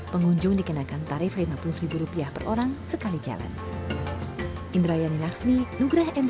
pengunjung dikenakan tarif lima puluh per orang sekali jalan